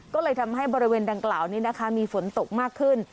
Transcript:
ก็เลยทำให้บริเวณดังกล่าวนี้นะคะมีฝนตกมากขึ้น